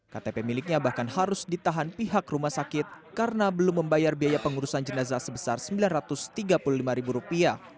ktp miliknya bahkan harus ditahan pihak rumah sakit karena belum membayar biaya pengurusan jenazah sebesar rp sembilan ratus tiga puluh lima